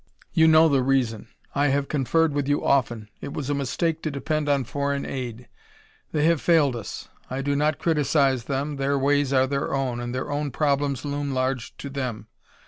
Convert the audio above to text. "You know the reason; I have conferred with you often. It was a mistake to depend on foreign aid; they have failed us. I do not criticize them: their ways are their own, and their own problems loom large to them.